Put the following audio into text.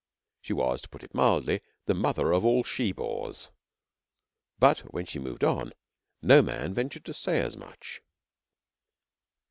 She was, to put it mildly, the mother of all she bores, but when she moved on, no man ventured to say as much.